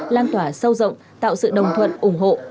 lan tỏa sâu rộng tạo sự đồng thuận ủng hộ